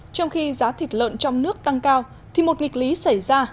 trong khi giá thịt lợn trong nước tăng cao thì một nghịch lý xảy ra